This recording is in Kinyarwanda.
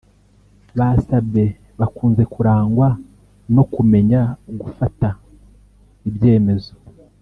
Ba Sabin bakunze kurangwa no kumenya gufata ibyemezo